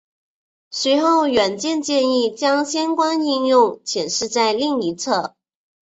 随后软件建议将相关应用显示在另一侧。